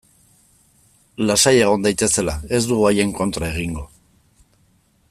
Lasai egon daitezela, ez dugu haien kontra egingo.